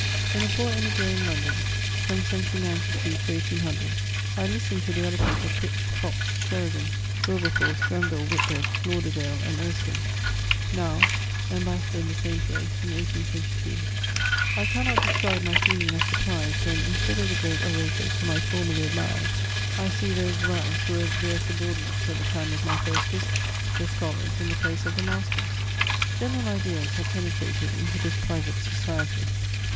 When a poor emigre in London, firom 1793 to 1800, I listened to the eloquence of Pitt, Fox, Sheridan, Wilberforce, GrenviUe, Whithread, Lauderdale, and Erskine ; now, ambassador in the same place, in 1822, I can not describe my feeling of surprise, when, instead of the great orators whom I formerly admired, I see those rise who were their subordinates at the time of my first visit ; the scholars in the place of tiie masters. General ideas have penetrated into this private society.